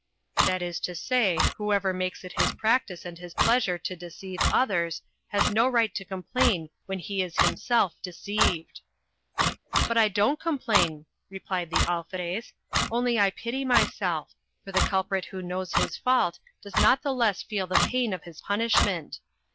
That is to say, whoever makes it his practice and his pleasure to deceive others, has no right to complain when he is himself deceived." But I don't complain, replied the Alferez; only I pity myself—for the culprit who knows his fault does not the less feel the pain of his punishment.